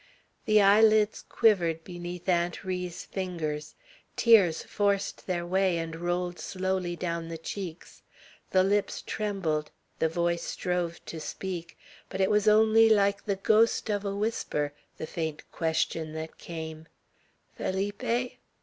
The eyelids quivered beneath Aunt Ri's fingers. Tears forced their way, and rolled slowly down the cheeks. The lips trembled; the voice strove to speak, but it was only like the ghost of a whisper, the faint question that came, "Felipe?"